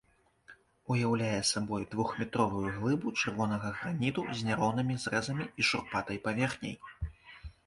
Уяўляе сабой двухметровую глыбу чырвонага граніту з няроўнымі зрэзамі і шурпатай паверхняй.